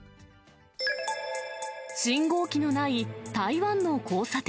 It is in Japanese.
信号機のない台湾の交差点。